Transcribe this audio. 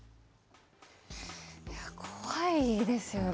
怖いですよね。